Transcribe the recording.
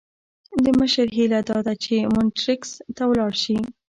د مشر هیله داده چې مونټریکس ته ولاړ شي.